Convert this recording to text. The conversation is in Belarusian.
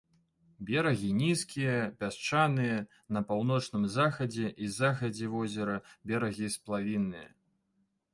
Берагі нізкія, пясчаныя, на паўночным захадзе і захадзе возера берагі сплавінныя.